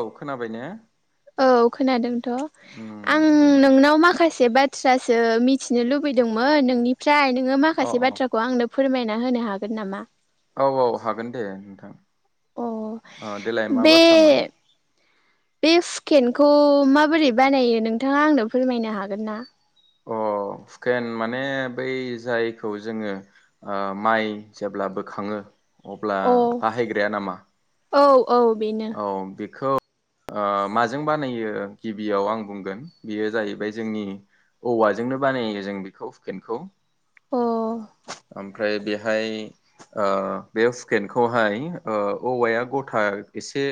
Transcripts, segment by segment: औ खोनाबाय ने औ खोनादों आं उम दे नोंनाव माखासे से बाथ्रासो मिथिनो लुबैदोंमोन नोंनिफ्राय नों नोङो अ माखासे बाथ्राखौ आंनो फोरमायना होनो हागोन नामा अ औ औ हागोन दे नोंथां अ अ देलाय मा बे बाथ्रामोन बे हुकेनखौ माबोरै बानायो नोंथाङा आंनो फोरमायनो हागोन ना अ हुकेन माने बै जायखौ जोङो माइ जेब्ला बोखाङो अब्ला अ बाहायग्राया नामा औ औ बेनो औ बेखौ ओ माजों बानायो गिबियाव आं बुंगोन बेयो जाहैबाय जोंनि औवाजोंनो बानायो जों बेखौ हुकेनखौ अ ओमफ्राय बेहाय बे हुकेेनखौहाय औवाया गथा एसे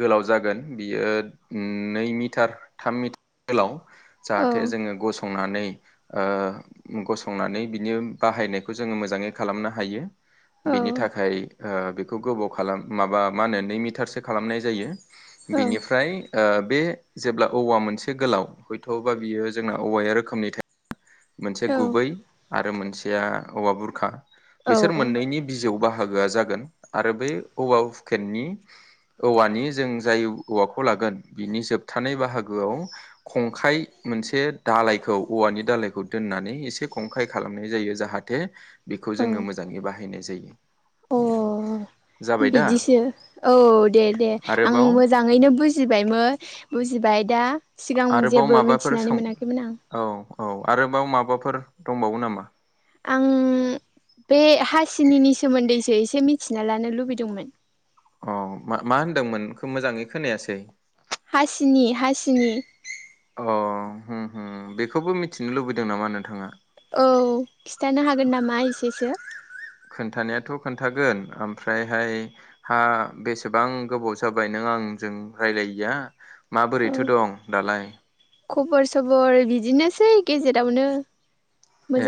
गोलाव जागोन बियो नै मिटार थाम मिटार गोलाव औ जाहाथे जोङो गसं संनानै गसंनानै बिनि बाहायनायखौ जोङो मोजाङै खालामनो हायो औ बिनि थाखाय ओ बेखौ गोबाव खालाम माबा मा होनो नै मि मिटारसो खालामनाय जायो बिनिफ्राय ओ बे जेब्ला औवा मोनसे गोलाव हयथ' बा बियो जोंना औवाया रोखोमनि थाया मोनसे औ गुबै आरो मोन सेया औवा बुरखा बिसोर मोननैनि बिजौ बाहा बाहागोआ जागोन आरो बै औवा हुकेनि औवानि जों जाय औवाखौ लागोन बिनि जोबथानाय बाहागोआव खंखाय मोनसे दालायखौ औवानि दालायखौ दोननानै एसे खंखाय खालामनाय जायो जाहाथे बेखौ औ जोङो मोजाङै बाहायो बाहायनाय जायो अ जाबाय दा बिदिसो औ दे दे आं आरोबाव मोजाङैनो बुजिबायमो बुजि बुजिबाय दा सिगां आरोबाव जेबो माबाफोर मिथिनानै सों मोनाखैमोन आं औ औ आरोबाव माबाफोर दंबावो नामा आं बे हासिनिनि सोमोन्दैसो एसे मिथिना लानो लुबैदोंमोन अ मा होनदोंमोन मोजाङै खोनायासै हासिनि हासिनि अ हम हम बेखौबो मिथिनो लुबैदों नामा नोंथाङा औ खिथानो हागोन नामा एसेसो खोन्थानायाथ' खोनथागोन ओमफ्रायहाय हा बेसेबां गोबाव जाबाय नों आंजों रायलायिया औ माबोरैथो दं दालाय खबर सबर बिदिनोसै गेजेरावनो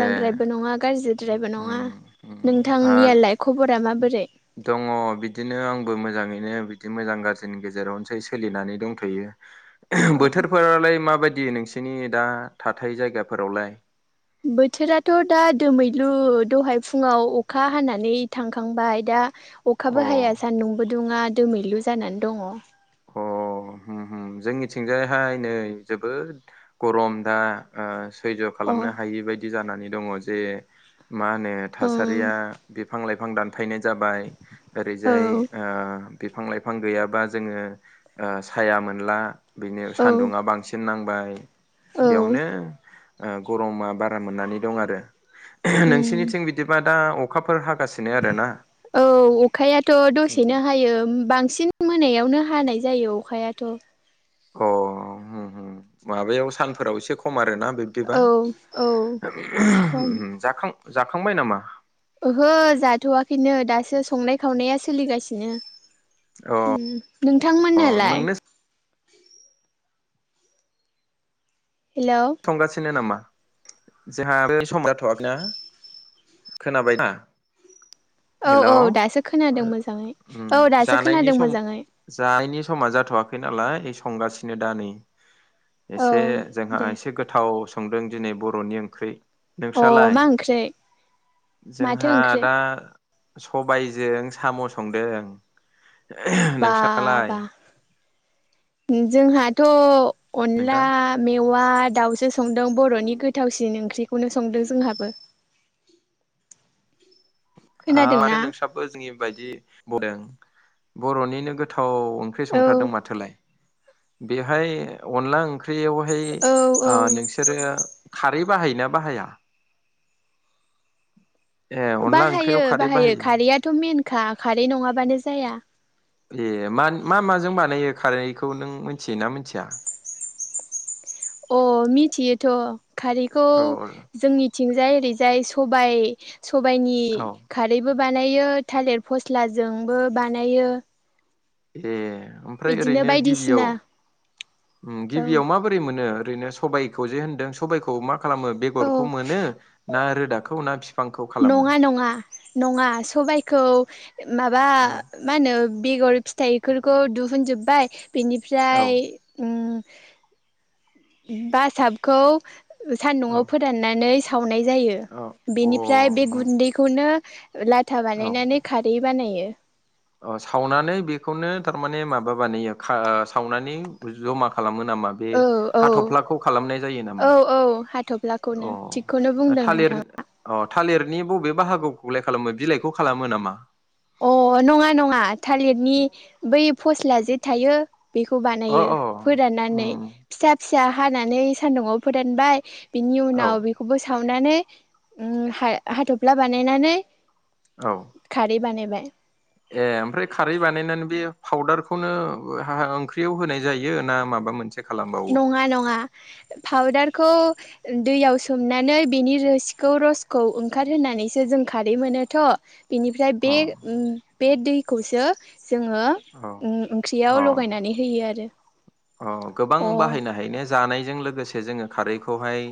ए नङा गाज्रिद्रायबो नङा उम उम आ नोंथांनियालाय खबरा माबोरै दङ बिदिनो आंबो मोजाङैनो बिदि मोजां गाज्रिनि गेजेरावनोसै सोलिनानै दंथ'यो अ बोथोरफोरालाय माबायद दि नोंसिनि दा थाथाय जायगाफोरावलाय बोथोराथ' दा दोमैलु दहाय फुङाव अखा हानानै थांखांबाय दा अखाबो हाया अ सान्दुंबो दुङा दोमैलु जानानै दङ अ होम होम जोंनिथिंजायाहाय नै जोबोद गरम दा आ सैज्य' खालामनो हायि बायदि जानानै दङ जे मा होनो ओम थासारिया बिफां लाइफां बिफां दानफायनाय जाबाय औ ओरैजाय ओ बिफां लाइफां गैयाबा जोङो साया मोनला बेनो औ सान्दुङा बांसिन नां बाय औ बेयावनो ओ गरमा बारा मोननानै दं आरो ओम नोंसिनिथिं बिदिबा दा अ अखाफोर हाब औ अखायाथ' अ दसेनो हायो बां सिन मोनायावनो हानाय जायो अखायाथ' अ होम होम माबायाव सानफोराव एसे खम आरो ना बिब्दिबा औ औ खम जाखां जाखांबाय नामा ओहो जाथ'वाखैनो दासो संनाय खावनाया सोलिगासिनो अ उम नोंथां मोनालाय नोंनो हेलौ संगासिनो नामा जोंहा आरो सम जाथ'वाखैना खोनाबायना औ हेलौ औ दासो खोनादों मोजाङै उम औ दासो जानायनि खोनादों सम मोजाङै जानायनि समा जाथ'वाखै नालाय संगासिनो दा नै औ एसे जोंहा दे एसे लाव संदों दिनै बर'नि ओंख्रि अ नोंसालाय मा ओंख्रि माथो जोंहा ओंख्रि दा सबायजों साम' संदों [unintelligible] नोंसालाय बाबा जोंहाथ' अनला नोंथां मे वा दाउ संदों बर'नि गोथावसिन ओंख्रिखौनो संदों जोंहाबो। खोनादोंना माथो नोंस्राबो जोंनि बायदि [inaudible] बुं [inaudible] दों बर'निनो गोथाव ओंख्रि औ संथारदों माथोलाय बेहाय अनला ओंख्रियाव ओमफ्राय औ औ ओ नोंसोरो खारै बाहायोना बाहाया ए अनला बाहायो ओंख्रियाव खारै बाहायो खारैआथ' मेनखा खारै नङाबानो जाया ए मा [unintelligible] माजों बानायो खारै खौ नों मोनथियोना मोनथिया? अ मिथियोथ' खारैखौ औ जोंनि थिंजाय ओरैजाय सबाइ सबाइनि औ खारैबो बानायो थालिर फस्लाजोंबो बानायो ए ओमफ्राय बिदिनो ओरैनो गिबियाव बायदिसिना उ औ गिबियाव माबोरै मोनो ओरैनो सबाइखौ जे होन्दों सबबायखौ मा खालामो औ बेगरखौ मोनो ना रो दाखौना फि नङा नङा नङा सबायखौ माबा औ मा होनो बेगर फिथाइफोरखौ दुहुनजोबबाय औ बेनिफ्राय उम बासाबखौ औ सान्दुंआव फोराननानै थावनाय जायो बेनिफ्राय बे औ गुन्दैखौनो लाथा अ औ बानायनानै खारै बानायो अ सावनानै बेखौनो थारमाने माबा बानायो खा सावनानै जमा खालामो नामा बे औ औ हाथफ्लाखौ खालामनाय जायो औ नामा? औ हाथ'फ्लाखौनो थिगखौनो अ बुंदों थालिर नोंथाङा अ थालिरनि बबे बाहागोखौगलाय खालामो बिलाइखौ खालामो नामा अ नङा नङा थालिरनि बै फस्ला जे थायो बेखौ अ बानायो अ फोराननानै उम फिसा फि फिसा हानानै सान्दुंङाव फोदानबाय बिनि औ उनाव बेखौबो साव नानै हा-हाथफ्ला बानायनानै औ खारि बानाय बाय ए ओमफ्राय खारै बानायनानै बे फाउदारखौनो ओंख्रियाव होनाय जायो ना माबा मोनसे खालामबावो नङा नङा फावदार खौ दैयाव सोमनानै बेनि रोसिखौ रसखौ ओंखार होनानैसो जों खारै मोनोथ' बेनिफ्राय बे अ बे दै खौसो जोङो अ उम ओंख्रियाव लगायनानै होयो आरो औ गोबां अ बाहायनो हायो ने जानाय जों लोगोसे जोङो खारैखौहाय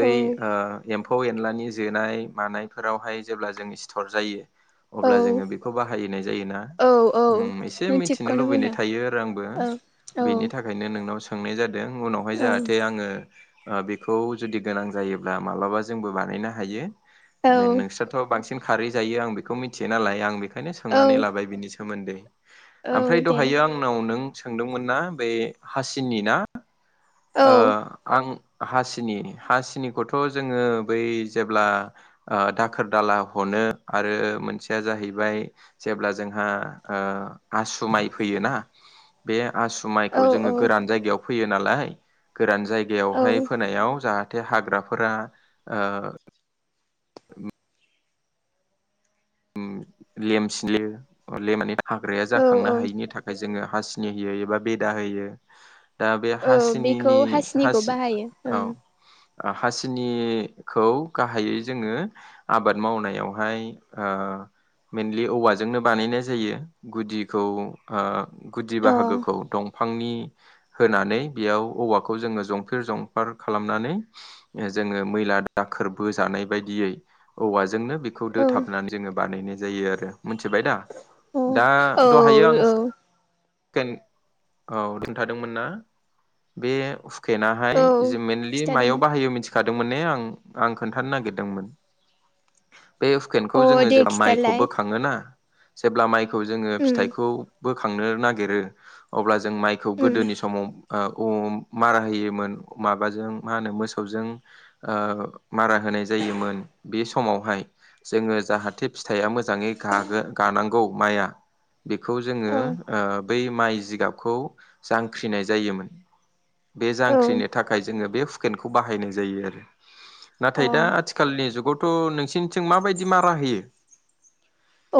औ ओ एम्फौ एनलानि जोनाय मानायफोरावहाय जेब्ला जों सिथर जायो अब्ला औ जोङो बेखौ बाहायोनाय जायोना औ औ उम एसे नों मिथिनो थिगखौनो लुबैनाय बुंदों थायो आरो आंबो औ औ बेनि नोंनाव सोंनाय जादों उनावहाय औ जाहाथे आङो बेखौ जुदि गोनां जायोब्ला माब्लाबा जोंबो बानायनो हायो नोंसोरथ' बांसिन खारै जायो आं बेखौ मिथियो नालाय आं बे ओंखायनो औ सोंनानै औ लाबाय बिनिसै सोमोन्दै ओमफ्राय औ दे दहायो आंनाव नों सोंदोंमोन ना बे हासिनि ना औ ओ आं हासिनि हासिनिखौथ' जोङो बै जेब्ला दाखोर दाला हनो आरो मोनसेया जाहैबाय जेब्ला जोंहा आसु माइ फैयोना बे आसु माइ खौ औ जोङो औ गोरान जायगायाव फैयो नालाय गोरान औ जायगायावहाय फोनायाव जाह जाहाथे हाग्राफोरा लेम [unintelligible] हाग्राया जाखांनो औ औ हायिनि थाखाय जोङो हासिनि होयो एबा बेदा होयो दा बे औ बेखौ हासिनिनि हासिनिखौ हासि बाहायो ओं औ हासिनिखौ गाहायै जोङो आबाद मावनायावहाय मेनलि औवाजोंनो बानायनाय जायो गुदिखौ ओ गुदि अ बाहागोखौ दं बिफांनि होनानै बेयाव औवाखौ जोङो जंफेर जंफार खालामनानै जोङो मैला दाखोरबोजानाय बायदियै औवाजोंनो बेखौ औ दोथाब होननानै जोङो बानायनाय जायो आरो मिथिबाय दा अ दा औ दहायो आं औ औ खोनथादोंमोन ना बे सुख हुकेनाहाय औ जों मेनलि मायाव खिथादोंमोन बाहायो मिथिखादों खीनथानो नागिरदोंमोन हुकेनखौ अ जोङो दे जेब्ला खिथालाय माइखौबो खाङोना जेब्ला माइखौ खौ जोङो उम फिथाइखौ बोखांनो नागिरो अब्ला जों माइखौ उम गोदोनि समाव मारा होयोमोन माबाजों मा होनो मोसौजों मारा होनाय जायोमोन बे समावहाय जोङो जाहाथे फिथाइया मोजाङै गानांगौ माइया बेखौ जोङो औ बै माइ जिगाबखौ जांख्रिनाय जायोमोन बे औ जांख्रिनो थाखाय जोङो बे हुकेनखौ बाहायनाय जायो आरो अ नाथाय दा अ आथिखालनि जुगाव थ नोंसिनिथिं माबायदि दि मारा होयो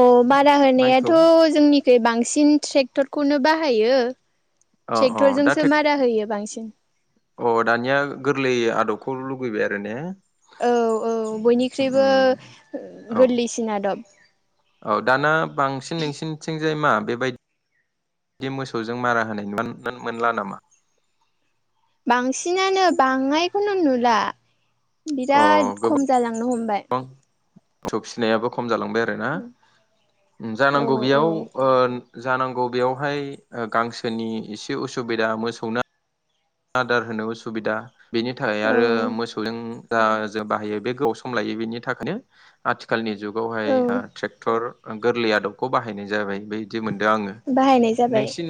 अ मारा होनायाथ माइखौ जोंनिखै बांसिन ट्रेक्टरखौनो बाह हायो अ अ दा ट्रेक बांसिन अ दानिया गोरलै आदब खौल लुगैबाय आरो ने औ औ बयनिख्रुइबो उम औ गोरलैसिन आदब औ दाना बांसिन नोंसिनिथिं मा बेबायदि मोसौजों मारा होनाय मोन मोनला नामा बांसिनानो बांनायखौनो नुला अ बिराद खम जालांनो हमबाय गोबां सौ फिनायाबो खम जालां आरो ना औ जानांगौ औ बेयाव ओ जानांगौ बेयावहाय गांसोनि एसे उसुबिदा मोसौनो आदार होनो उसुबिदा बेनि थाखाय औ आरो मोसौजों दा जों बाहायो बे गोबाव सम लायो बेनि थाखायनो आथिखालनि जुग बेवहाय ओ औ ट्रेक्टर गोरलै आदबखौ बाहायनाय जाबाय बिदि मोनदों आङो बाहायनाय जाबाय नोंसिन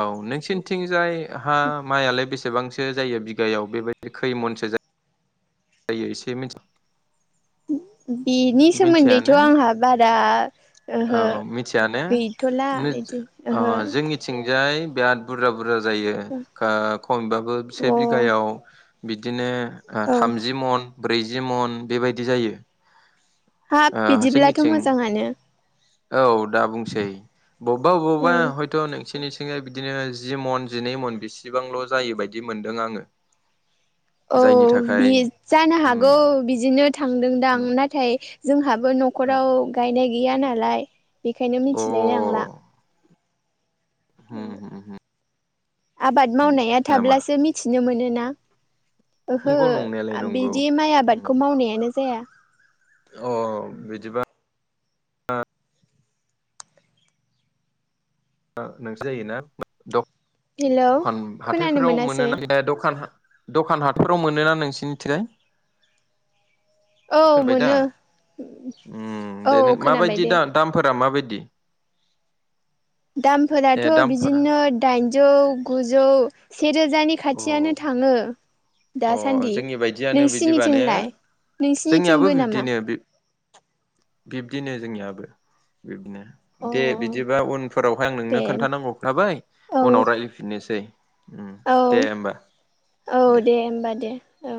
औ नोंसिन थिंजाय हा माइ आलाय बेसेबांसो जायो बिघायाव बेबायदि खैमनसो जायो जायो इसे मिन बिनि सोमोन्दैथ‌ ने आंहा बारा ओहो औ मिथिया ने गैथला इदि ओ ओहो जोंनिथिंजाय बिराद बुरजा बुरजा जायो ओ खमबाबो से अ बिघायाव बिदिनो औ थामजि मन ब्रैजि मन बेबायदि जायो हाब ओ बिदिब्लाथ' जोंनिथिं मोजाङानो औ दा बुंसै बबेबा बबेबा औ हयथ' नोंसि बिनिथिङै बिदिनो जि मन जिनै मन बिसेबांल' जायो बायदि मोनदों आङो औ जायनि था बि जानो हागौ बिदिनो थांदोंदां उम नाथाय जोंहाबो औ न'खराव गायनाय गैया नालाय बेनिखायनो अ मिथिलाय लांला होम होम होम आबाद मावनाया नामा थाब्लासो मिथिनो मोनोना ओहो नंगौ नंनायालाय नंगौ बिदि माइ उम आबादखौ मावनायानो जाया [inaudible] हो हो नोंसो जायोना द हेलौ दखान खोनानो हाथायफोराव मोनो मोनासै ना दखान दखान हातफोराव मोनोना नोंसिनिथिंजाय औ खोनाबाय दा मोनो औ उम खोनाबाय माबायदि दे दा दामफोरा माबायदि [inaudible] ए दामफोराथ' दामफोरा बिदिनो दाइन जौ गुजौ सेेरोजानि अ खाथियानो थाङो अ दासान्दि जोंनि बायदियानो बिदिबा ने नोंसिनिथिंलाय जोंनियाबो नोंसिनिथिंबो नामा बिब्दिनो बिब्दिनो जोंनियाबो बिब्दिनो दे अ बिदिबा उनफोरावहाय आं दे नोंनो खोन्थानांगौ खोथाबाय औ उनाव रायजलायफिननोसै औ औ दे होमबा दे औ